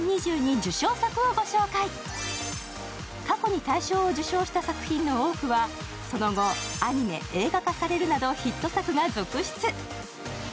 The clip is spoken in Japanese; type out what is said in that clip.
過去に大賞を受賞した作品の多くはその後、アニメ・映画化されるなどヒット作が続出。